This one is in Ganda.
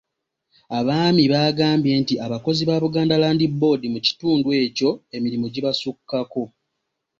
Abaami baagambye nti abakozi ba Buganda Land Board mu kitundu ekyo emirimu gibasukkako.